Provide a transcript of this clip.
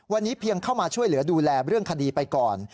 วันนี้เพียงเข้ามาช่วยเหลือดูแลเรื่องคดีไปก่อน